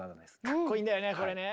かっこいいんだよねこれね。